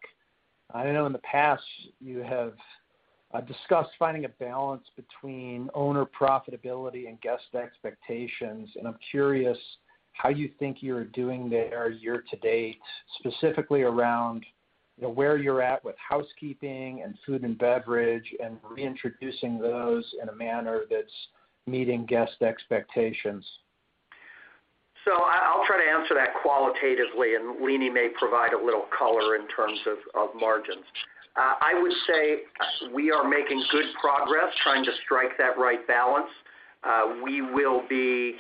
[SPEAKER 14] I know in the past you have discussed finding a balance between owner profitability and guest expectations, and I'm curious how you think you're doing there year to date, specifically around, you know, where you're at with housekeeping and food and beverage, and reintroducing those in a manner that's meeting guest expectations.
[SPEAKER 4] I'll try to answer that qualitatively, and Leeny may provide a little color in terms of margins. I would say we are making good progress trying to strike that right balance. We will be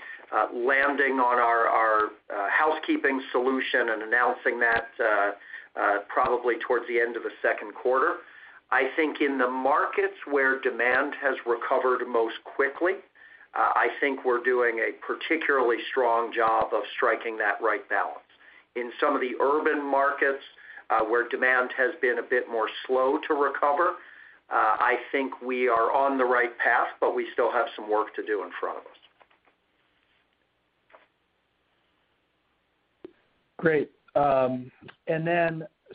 [SPEAKER 4] landing on our housekeeping solution and announcing that probably towards the end of the second quarter. I think in the markets where demand has recovered most quickly, I think we're doing a particularly strong job of striking that right balance. In some of the urban markets where demand has been a bit more slow to recover, I think we are on the right path, but we still have some work to do in front of us.
[SPEAKER 14] Great.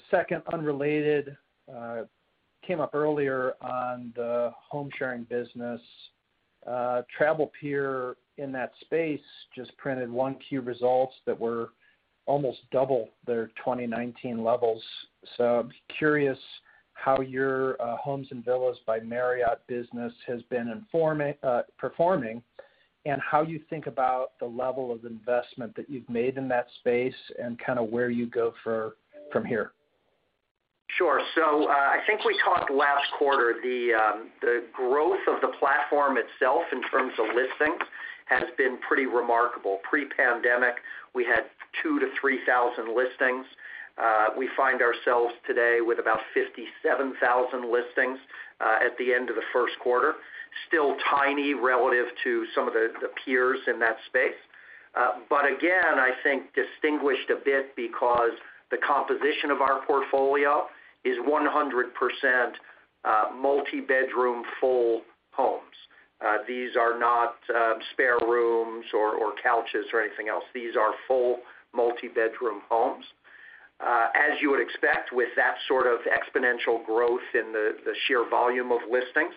[SPEAKER 14] Second, unrelated, came up earlier on the home sharing business. A travel peer in that space just printed Q1 results that were almost double their 2019 levels. Curious how your Homes & Villas by Marriott business has been performing, and how you think about the level of investment that you've made in that space and kinda where you go from here.
[SPEAKER 4] Sure. I think we talked last quarter, the growth of the platform itself in terms of listings has been pretty remarkable. Pre-pandemic, we had 2,000-3,000 listings. We find ourselves today with about 57,000 listings at the end of the first quarter. Still tiny relative to some of the peers in that space. But again, I think distinguished a bit because the composition of our portfolio is 100% multi-bedroom full homes. These are not spare rooms or couches or anything else. These are full multi-bedroom homes. As you would expect with that sort of exponential growth in the sheer volume of listings,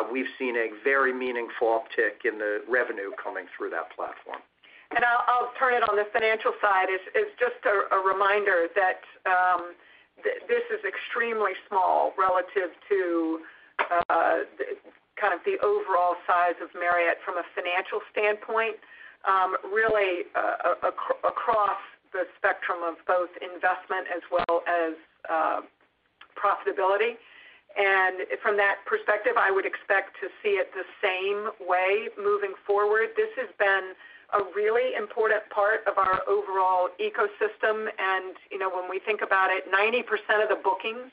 [SPEAKER 4] we've seen a very meaningful uptick in the revenue coming through that platform.
[SPEAKER 2] I'll turn it on the financial side is just a reminder that this is extremely small relative to kind of the overall size of Marriott from a financial standpoint, really across the spectrum of both investment as well as profitability. From that perspective, I would expect to see it the same way moving forward. This has been a really important part of our overall ecosystem. You know, when we think about it, 90% of the bookings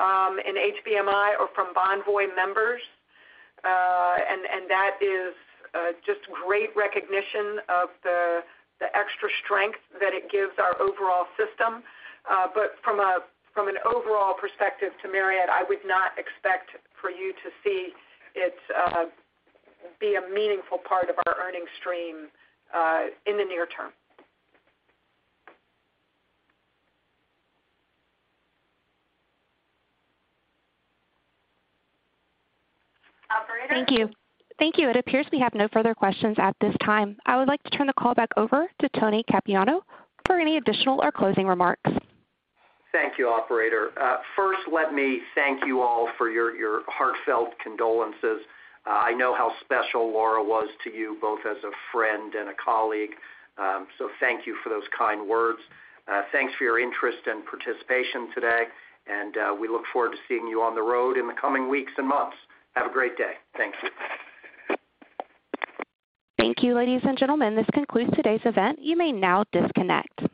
[SPEAKER 2] in HVMI are from Bonvoy members. And that is just great recognition of the extra strength that it gives our overall system. But from an overall perspective to Marriott, I would not expect for you to see it be a meaningful part of our earning stream in the near term.
[SPEAKER 1] Thank you. It appears we have no further questions at this time. I would like to turn the call back over to Tony Capuano for any additional or closing remarks.
[SPEAKER 4] Thank you, operator. First, let me thank you all for your heartfelt condolences. I know how special Laura was to you, both as a friend and a colleague. Thank you for those kind words. Thanks for your interest and participation today, and we look forward to seeing you on the road in the coming weeks and months. Have a great day. Thank you.
[SPEAKER 1] Thank you, ladies and gentlemen, this concludes today's event. You may now disconnect.